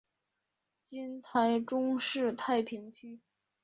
今台中市太平区。